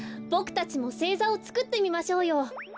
ボクたちもせいざをつくってみましょうよ。